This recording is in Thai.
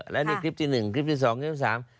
และนี่คลิปที่หนึ่งที่สองทีสาม